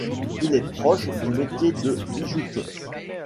Il est proche du métier de bijoutier.